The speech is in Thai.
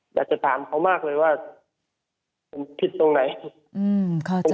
อยากจะถามเขามากเลยว่าผมผิดตรงไหน